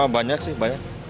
banyak sih banyak